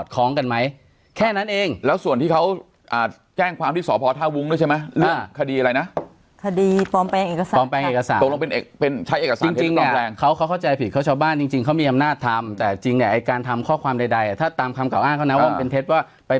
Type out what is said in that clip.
ก็เมษา๖๐เริ่มถูกหักแล้วมกรา๖๑ไม่หักแล้ว